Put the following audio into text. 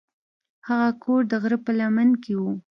هغه کور د غره په لمن کې و.